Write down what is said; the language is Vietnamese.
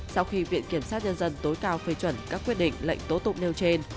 sau khi viện kiểm sát nhân dân tối cao phê chuẩn các quyết định lệnh tố tụng nêu trên